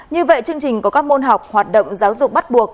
như vậy chương trình có các môn học hoạt động giáo dục bắt buộc